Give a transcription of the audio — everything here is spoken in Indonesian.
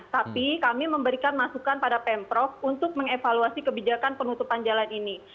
tapi kami memberikan masukan pada pemprov untuk mengevaluasi kebijakan penutupan jalan ini